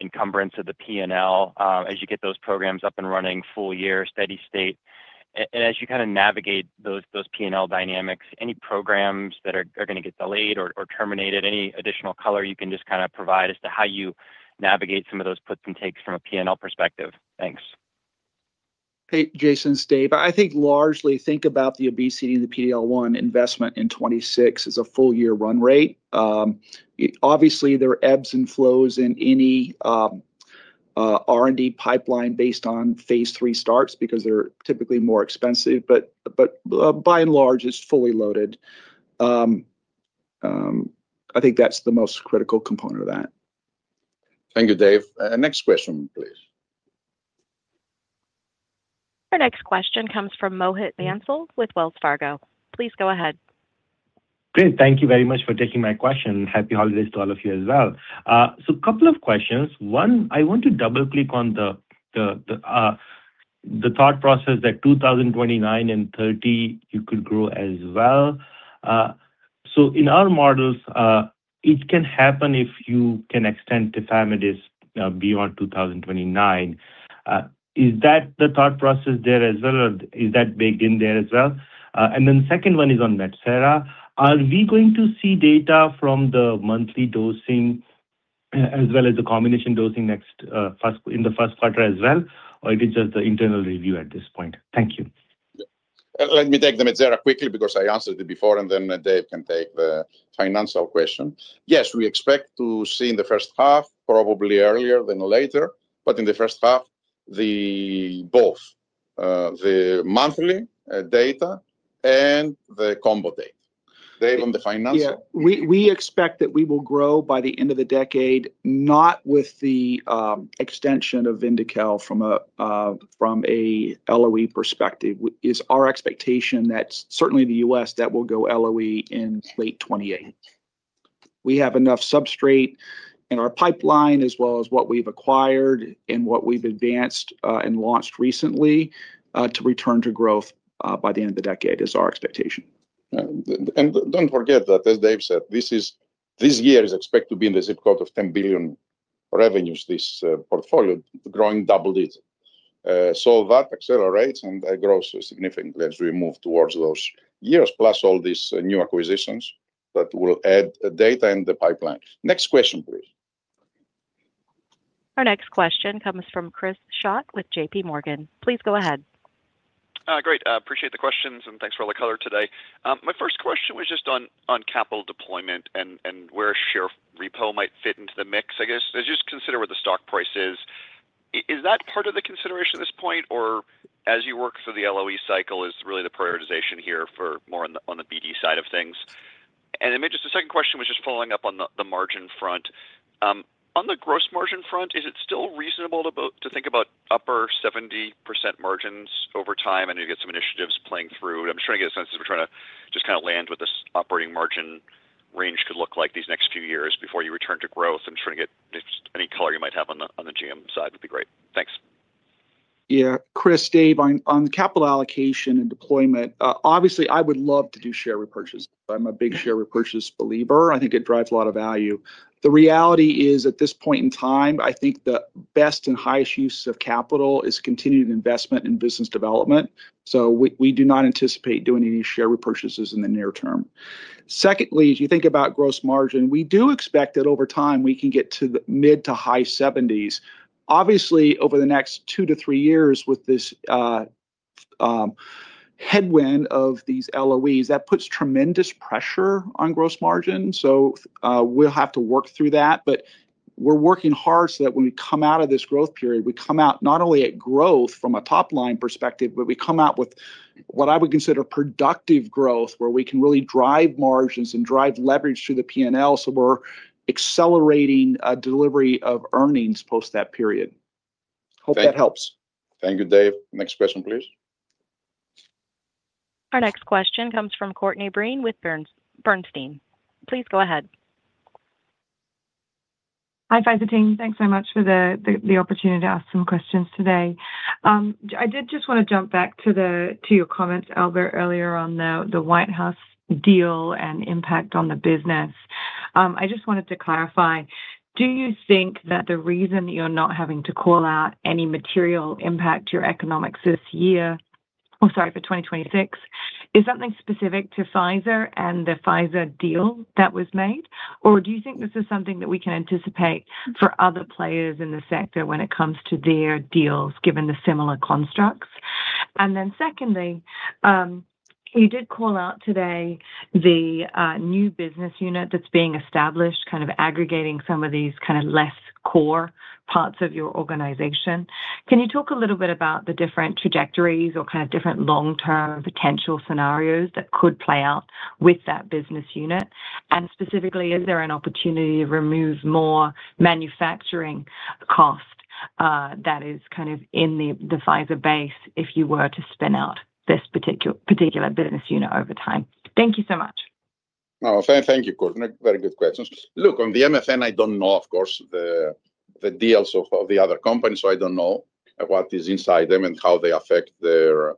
encumbrance of the P and L as you get those programs up and running full year, steady state. And as you kind of navigate those P and L dynamics, any programs that are going to get delayed or terminated, any additional color you can just kind of provide as to how you navigate some of those puts and takes from a P and L perspective. Thanks. Hey Jason, it's Dave, I think largely about the obesity and the PD-L1 investment in 2026 as a four-year run rate. Obviously there are ebbs and flows in any R&D pipeline based on phase 3 starts because they're typically more expensive, but by and large it's fully loaded. I think that's the most critical component of that. Thank you. Dave, next question, please. Our next question comes from Mohit Bansal with Wells Fargo. Please go ahead. Great. Thank you very much for taking my question. Happy holidays to all of you as well. So a couple of questions. One, I want to double click on the thought process that 2029 and 2030 you could grow as well. So in our models it can happen. If you can extend tafamidis beyond 2029, is that the thought process there as well? Is that baked in there as well? And then second one is on Metsera. Are we going to see data from the monthly dosing as well as the combination dosing next in the first quarter as well or is it just the internal review at this point? Thank you. Let me take the Metsera quickly because I answered it before and then Dave can take the financial question. Yes, we expect to see in the first half probably earlier than later, but in the first half both the monthly data and the combo data. Dave, on the financing. Yeah, we expect that we will grow by the end of the decade, not with the extension of Vyndaqel. From a LOE perspective is our expectation that certainly the U.S. that will go LOE in late 2018, we have enough substrate in our pipeline as well as what we've acquired and what we've advanced and launched recently to return to growth by the end of the decade is our expectation. Don't forget that as Dave said, this year is expected to be in the zip code of $10 billion revenues, this portfolio growing double-digit. That accelerates and grows significantly as we move towards those years, plus all these new acquisitions that will add data in the pipeline. Next question, please. Our next question comes from Chris Schott with J.P. Morgan. Please go ahead. Great. Appreciate the questions and thanks for all the color today. My first question was just on capital deployment and where a share repo might fit into the mix. I guess as you consider what the stock price is, is that part of the consideration at this point or as you work through the LOE cycle is really the prioritization here. For more on the BD side of things and maybe just the second question was just following up on the margin front, on the gross margin front, is it still reasonable to think about upper 70% margins over time and you get some initiatives playing through? I'm just trying to get a sense as we're trying to just kind of land with this operating margin range could look like these next few years before you return to growth. I'm trying to get any color you might have on the GM side. That would be great. Thanks. Yeah. Chris, Dave, on capital allocation and deployment, obviously I would love to do share repurchase. I'm a big share repurchase believer. I think it drives a lot of value. The reality is at this point in time, I think the best and highest use of capital is continued investment in business development. So we do not anticipate doing any share repurchases in the near term. Secondly, as you think about gross margin, we do expect that over time we can get to the mid- to high-70s obviously over the next two to three years with this headwind of these LOEs. That puts tremendous pressure on gross margin. So we'll have to work through that. But we're working hard so that when we come out of this growth period, we come out not only at growth from a top line perspective, but we come out with what I would consider productive growth where we can really drive margins and drive leverage through the P&L. So we're accelerating delivery of earnings post that period. Hope that helps. Thank you Dave. Next question please. Our next question comes from Courtney Breen with Bernstein. Please go ahead. Hi, Pfizer team. Thanks so much for the opportunity to ask some questions today. I did just want to jump back to your comments, Albert, earlier on the White House deal and impact on the business. I just wanted to clarify. Do you think that the reason you're not having to call out any material impact your economics this year or sorry for 2026 is something specific to Pfizer and the Pfizer deal that was made? Or do you think this is something that we can anticipate for other players in the sector when it comes to their deals given the similar constructs? And then secondly, you did call out today the new business unit that's being established kind of aggregating some of these kind of less core parts of your organization. Can you talk a little bit about the different trajectories or kind of different long term potential scenarios that could play out with that business unit? And specifically is there an opportunity to remove more manufacturing cost that is kind of in the Pfizer base if you were to spin out this particular business unit over time? Thank you so much. Thank you, Courtney. Very good questions. Look, on the MFN, I don't know, of course, the deals of the other companies, so I don't know what is inside them and how they affect their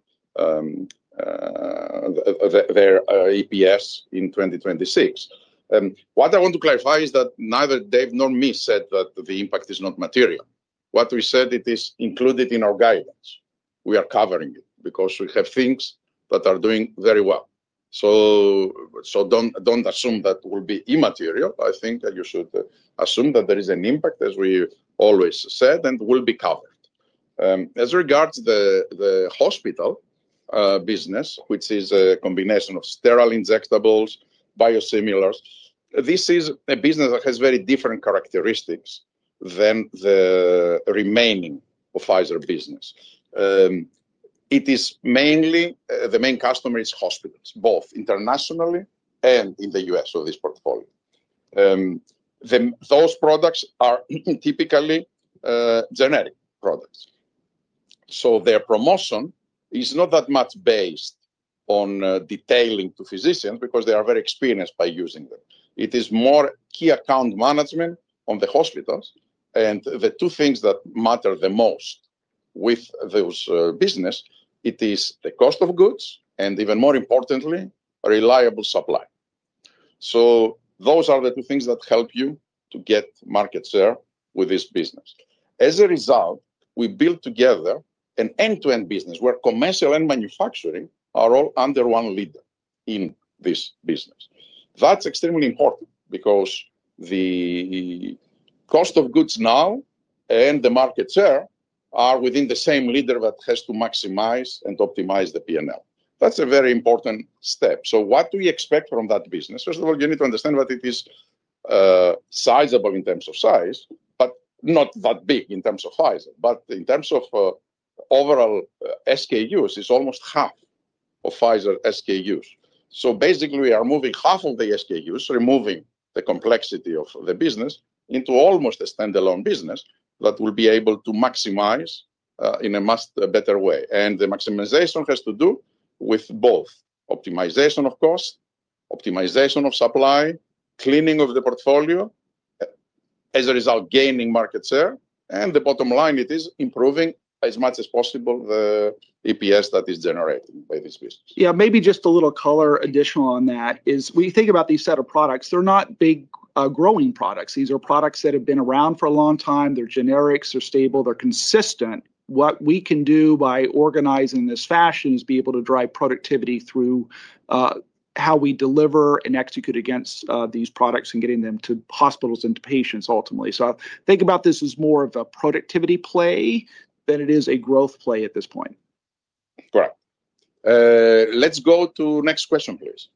EPS in 2026. What I want to clarify is that neither Dave nor me said that the impact is not material. What we said is it is included in our guidance. We are covering it because we have things that are doing very well. So don't assume that will be immaterial. I think you should assume that there is an impact as we always said and will be covered. As regards the hospital business, which is a combination of sterile injectables, biosimilars, this is a business that has very different characteristics than the remaining of Pfizer business. It is mainly the main customer is hospitals both internationally and in the U.S. of this portfolio. Those products are typically generic products. So their promotion is not that much based on detailing to physicians because they are very experienced by using them. It is more key account management on the hospitals and the two things that matter the most with those business. It is the cost of goods and even more importantly, reliable supply. So those are the two things that help you to get market share with this business. As a result, we built together an end-to-end business where commercial and manufacturing are all under one leader. In this business that's extremely important because the cost of goods now and the market share are within the same leader that has to maximize and optimize the P&L. That's a very important step. So what do we expect from that business? First of all, you need to understand what it is sizable in terms of size, but not that big in terms of Pfizer. But in terms of overall SKUs, it's almost half of Pfizer SKUs. So basically we are moving half of the SKUs, removing the complexity of the business into almost a standalone business that will be able to maximize in a much better way. And the maximization has to do with both optimization of cost, optimization of supply, cleaning of the portfolio as a result, gaining market share and the bottom line, it is improving as much as possible. The EPS that is generated by this business. Yeah, maybe just a little color. Additional on that is we think about these set of products. They're not big growing products. These are products that have been around for a long time. They're generics, they're stable, they're consistent. What we can do by organizing this fashion is be able to drive productivity through how we deliver and execute against these products and getting them to hospitals and to patients ultimately. So think about this as more of a productivity play than it is a growth play at this point. Correct. Let's go to next question, please.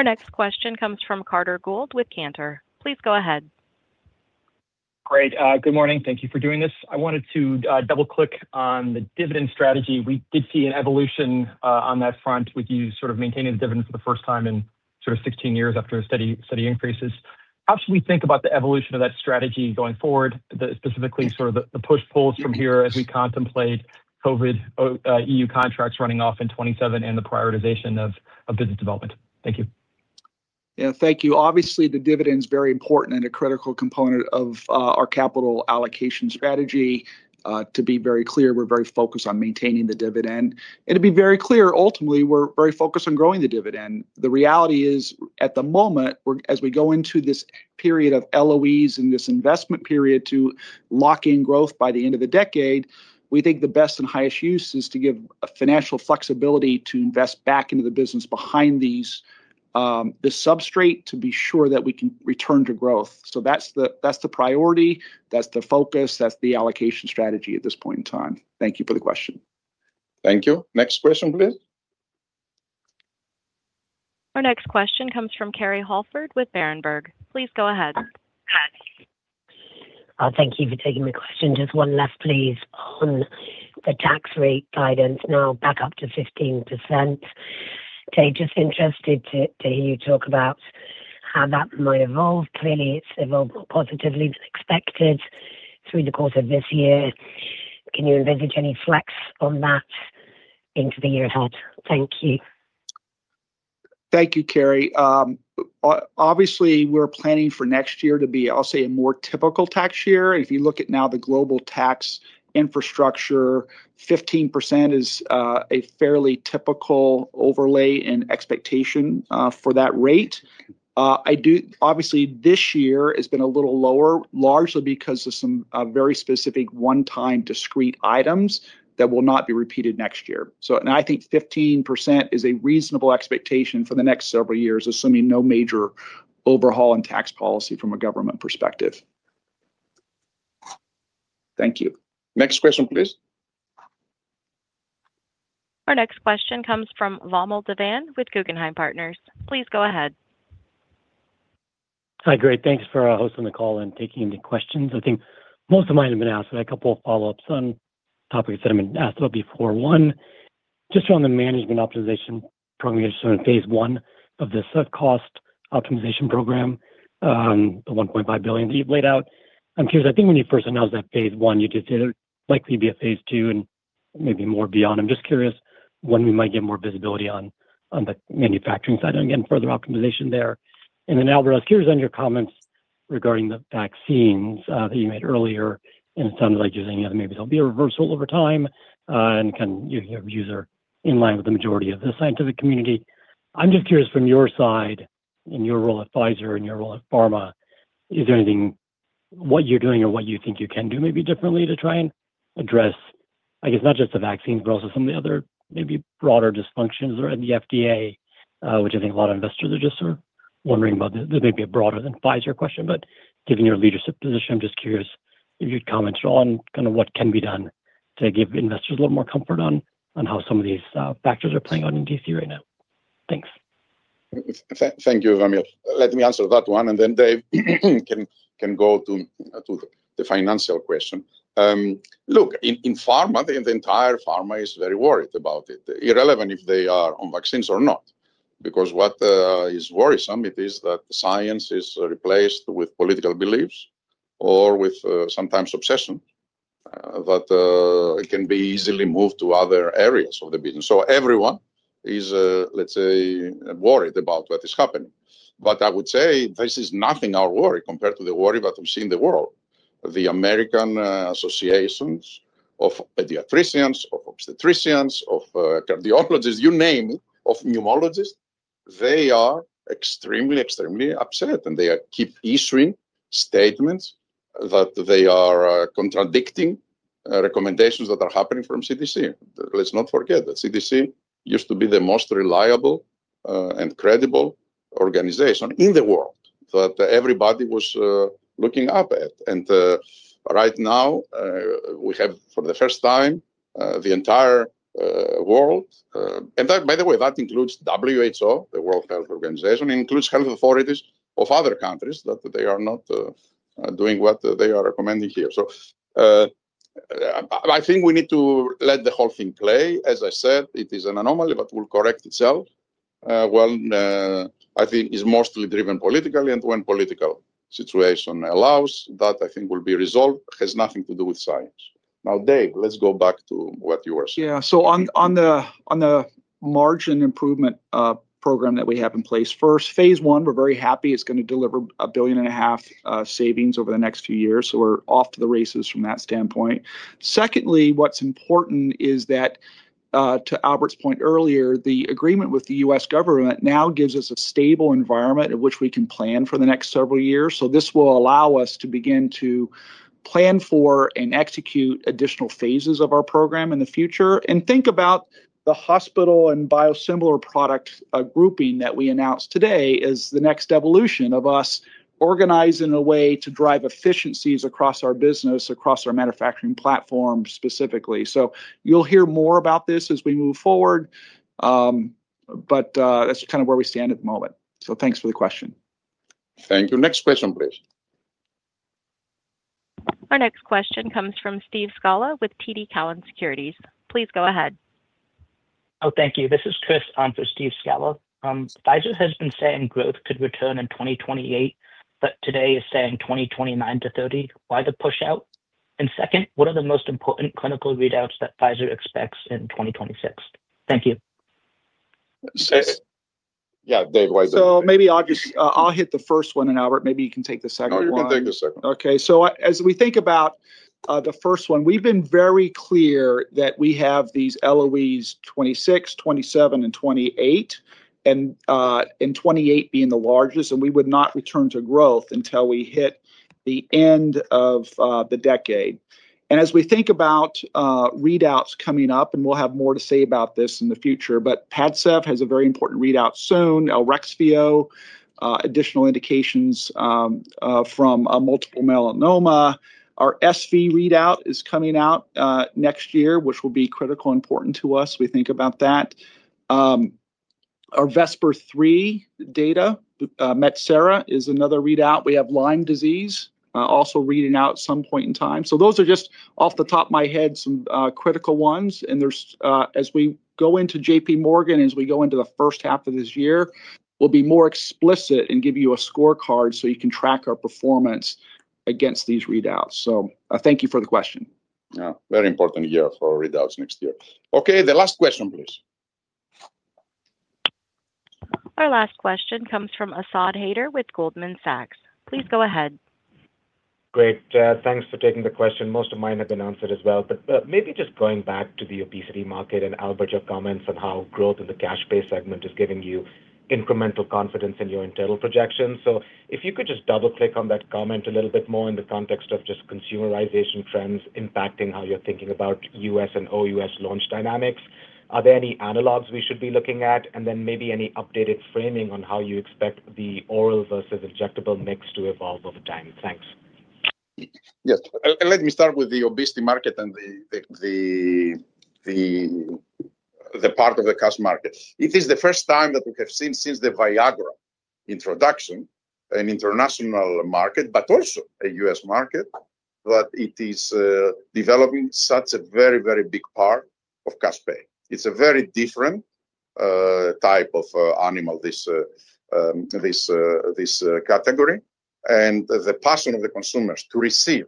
Our next question comes from Carter Gould with Cantor Fitzgerald. Please go ahead. Great. Good morning. Thank you for doing this. I wanted to double click on the dividend strategy. We did see an evolution on that front with you sort of maintaining the dividend for the first time in sort of 16 years after steady increases. How should we think about the evolution of that strategy going forward? Specifically sort of the push pulls from here as we contemplate COVID EU contracts running off in 2027 and the prioritization of business development. Thank you. Thank you. Obviously the dividend is very important and a critical component of our capital allocation strategy. To be very clear, we're very focused on maintaining the dividend. And to be very clear, ultimately we're very focused on growing the dividend. The reality is at the moment, as we go into this period of LOEs and this investment period to lock in growth by the end of the decade, we think the best and highest use is to give financial flexibility to invest back into the business behind the strategy to be sure that we can return to growth. So that's the priority, that's the focus, that's the allocation strategy at this point in time. Thank you for the question. Thank you. Next question please. Our next question comes from Kerry Holford with Berenberg. Please go ahead. Thank you for taking the question. Just one left please on the tax rate guidance now back up to 15%. Just interested to hear you talk about how that might evolve. Clearly it's evolved positively than expected. So the course of this year, can you envisage any flex on that into the year ahead? Thank you. Thank you, Kerry. Obviously we're planning for next year to be, I'll say, a more typical tax year. If you look at now the global tax infrastructure, 15% is a fairly typical overlay and expectation for that rate. I do think obviously this year has been a little lower largely because of some very specific one-time discrete items that will not be repeated next year. I think 15% is a reasonable expectation for the next several years assuming no major overhaul in tax policy from a government perspective. Thank you. Next question please. Our next question comes from Vamil Divan with Guggenheim Partners. Please go ahead. Hi. Great. Thanks for hosting the call and taking the questions. I think most of mine have been asked. I had a couple of follow-ups on topics that have been asked about before. One, just on the Manufacturing Optimization Program, phase one of the cost optimization program, the $1.5 billion that you've laid out. I'm curious. I think when you first announced that phase I, you just said it likely be a phase two and maybe more beyond. I'm just curious when we might get more visibility on the manufacturing side and again further optimization there and then, Albert, on your comments regarding the vaccines that you made earlier and it sounded like you're saying maybe there'll be a reversal over time and if your views are in line with the majority of the scientific community. I'm just curious from your side in your role at Pfizer and your role at pharma, is there anything what you're doing or what you think you can do maybe differently to try and I guess not just the vaccine but also some of the other maybe broader dysfunctions or in the FDA, which I think a lot of investors are just wondering about. This may be a broader than Pfizer question, but given your leadership position, I'm just curious if you'd comment on kind of what can be done to give investors a little more comfort on how some of these factors are playing out in D.C. right now. Thanks. Thank you. Let me answer that one and then Dave can go to the financial question. Look in pharma, the entire pharma is very worried about it irrelevant if they are on vaccines or not because what is worrisome it is that science is replaced with political beliefs or with sometimes obsession that it can be easily moved to other areas of the business. So everyone is let's say worried about what is happening. But I would say this is nothing our worry compared to the worry that we see in the world. The American associations of pediatricians, of obstetricians, of cardiologists, you name it, of pneumologists. They are extremely, extremely upset and they keep issuing statements that they are contradicting recommendations that are happening from CDC. Let's not forget that CDC used to be the most reliable and credible organization in the world that everybody was looking up at. And right now we have for the first time the entire world. And by the way, that includes WHO, the World Health Organization, includes health authorities of other countries that they are not doing what they are recommending here. So I think we need to let the whole thing play. As I said, it is an anomaly but will correct itself. Well, I think is mostly driven politically and when political situation allows that I think will be resolved has nothing to do with science. Now Dave, let's go back to what you were saying. Yeah, so on the margin improvement program that we have in place, first phase one, we're very happy it's going to deliver $1.5 billion savings over the next few years, so we're off to the races from that standpoint. Secondly, what's important is that to Albert's point earlier, the agreement with the U.S. government now gives us a stable environment in which we can plan for the next several years, so this will allow us to begin to plan for and execute additional phases of our program in the future and think about the hospital and biosimilar product grouping that we announced today as the next evolution of us organized in a way to drive efficiencies across our business, across our manufacturing platform specifically, so you'll hear more about this as we move forward, but that's kind of where we stand at the moment. Thanks for the question. Thank you. Next question, please. Our next question comes from Steve Scala with TD Cowen. Please go ahead. Oh, thank you. This is Chris on for Steve Scala. Pfizer has been saying growth could return in 2028, but today is saying 2029-2030. Why the push out? And second, what are the most important clinical readouts that Pfizer expects in 2026? Thank you. Yeah, Dave. So maybe I'll just, I'll hit the first one and Albert, maybe you can take the second one. You can take the second one. Okay, so as we think about the first one, we've been very clear that we have these LOEs 2026, 2027 and 2028 and 2028 being the largest and we would not return to growth until we hit the end of the decade, and as we think about readouts coming up and we'll have more to say about this in the future, but Padcev has a very important readout soon. Elrexfio additional indications for multiple myeloma. Our RSV readout is coming out next year which will be critical, important to us. We think about that. Our Vesper-3 data. Metsera is another readout. We have Lyme disease also reading out at some point in time, so those are just off the top of my head, some critical ones. There's as we go into JPMorgan, as we go into the first half of this year, we'll be more explicit and give you a scorecard so you can track our performance against these readouts. Thank you for the question. Very important year for readouts next year. Okay, the last question please. Our last question comes from Asad Haider with Goldman Sachs. Please go ahead. Great. Thanks for taking the question. Most of mine have been answered as well. But maybe just going back to the obesity market and Albert, your comments on how growth in the cash based segment is giving you incremental confidence in your internal projections. So if you could just double click on that comment a little bit more in the context of just consumerization trends impacting how you're thinking about US and OUS launch dynamics. Are there any analogues we should be looking at and then maybe any updated framing on how you expect the oral versus injectable mix to evolve over time? Thanks. Yes. Let me start with the obesity market and the part of the cash market, if it is the first time that we have seen since the Viagra introduction an international market, but also a U.S. market that it is developing such a very, very big part of cash pay. It's a very different type of animal, this category and the passion of the consumers to receive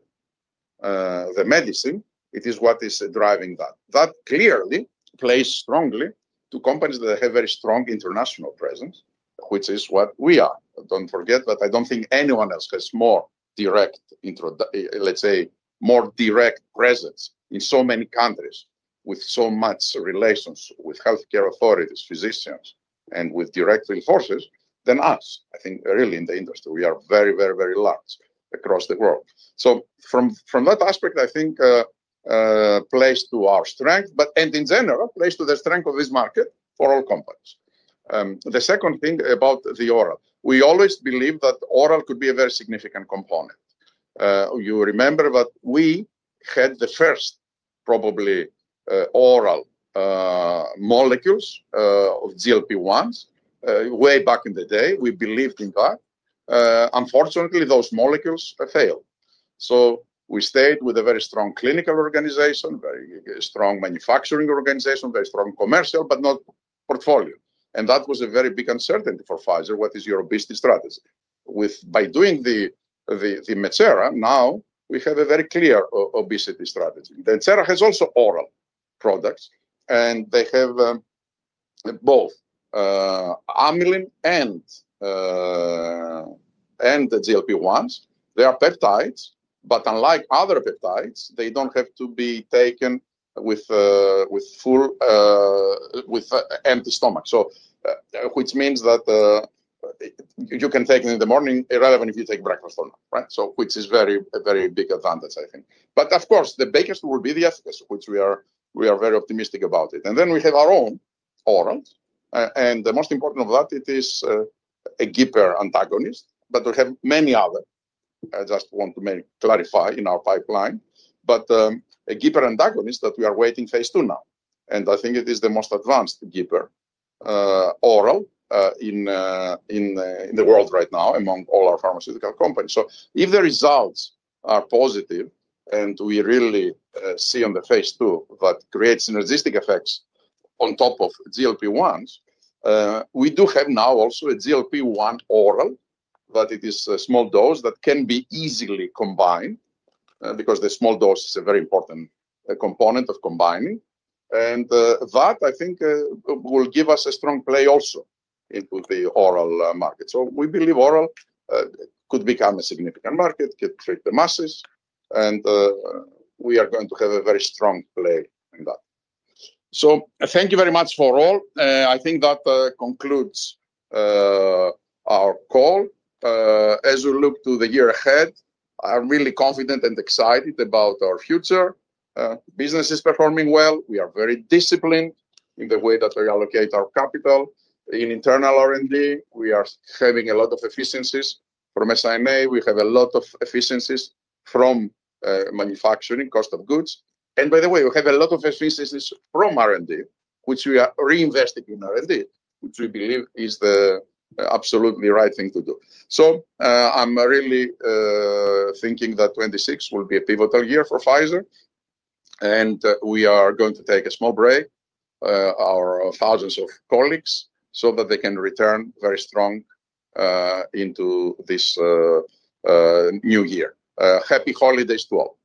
the medicine it is what is driving that. That clearly plays strongly to companies that have very strong international presence, which is what we are. Don't forget that. I don't think anyone else has more direct infrastructure, let's say more direct presence in so many countries with so much relations with healthcare authorities, physicians and with direct sales forces than us. I think really in the industry we are very, very, very large across the world. From that aspect, I think it plays to our strength and in general plays to the strength of this market for all companies. The second thing about the oral, we always believe that oral could be a very significant component. You remember that we had the first probably oral molecules of GLP-1s way back in the day. We believed in that. Unfortunately those molecules failed. So we stayed with a very strong clinical organization, very strong manufacturing organization, very strong commercial, but no portfolio. And that was a very big uncertainty for Pfizer. What is your obesity strategy? By doing the Metsera now we have a very clear obesity strategy. The Metsera has also oral products and they have both amylin and the GLP-1s. They are peptides but unlike other peptides, they don't have to be taken with full or empty stomach. So which means that you can take it in the morning irrelevant if you take breakfast or not. Right. So which is a very big advantage I think. But of course the biggest would be the aspects which we are very optimistic about it. And then we have our own oral and the most important of that it is a GIPR antagonist. But we have many other. I just want to clarify in our pipeline but a GIPR antagonist that we are in phase II now. And I think it is the most advanced GIPR oral in the world right now among all our pharmaceutical companies. So if the results are positive and we really see on the phase II that creates synergistic effects on top of GLP-1s, we do have now also a GLP-1 oral, but it is a small dose that can be easily combined because the small dose is a very important component of combining. And that I think will give us a strong play also into the oral market. So we believe oral could become a significant market, could treat the masses, and we are going to have a very strong play in that. So thank you very much for all. I think that concludes our call as we look to the year ahead. I'm really confident and excited about our future. Business is performing well. We are very disciplined in the way that we allocate our capital in internal R&D. We are having a lot of efficiencies from Seagen. We have a lot of efficiencies from manufacturing cost of goods. By the way, we have a lot of efficiencies from R&D, which we are reinvesting in R&D, which we believe is the absolutely right thing to do. I'm really thinking that 2026 will be a pivotal year for Pfizer. We are going to take a small break to our thousands of colleagues, so that they can return very strong into this new year. Happy holidays to all.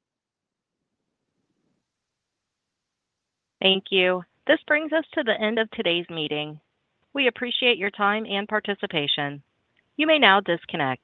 Thank you. This brings us to the end of today's meeting. We appreciate your time and participation. You may now disconnect.